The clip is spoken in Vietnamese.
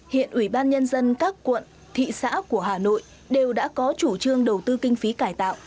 hiện ủy ban nhân dân các quận thị xã của hà nội đều đã có chủ trương đầu tư kinh phí cải tạo